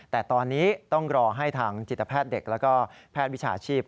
แต่ตอนนี้ต้องรอให้ทางจิตแพทย์เด็กแล้วก็แพทย์วิชาชีพ